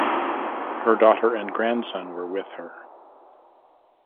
Her daughter and grandson were with her.